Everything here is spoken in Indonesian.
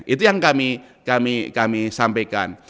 itu yang kami sampaikan